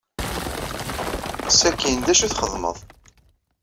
Sakkin, d acu i txedmeḍ?